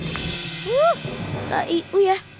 hmm tidak ada ya